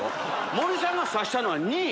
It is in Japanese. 森さんが刺したのは２位。